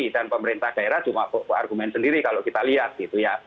dan pemerintah daerah cuma argumen sendiri kalau kita lihat gitu ya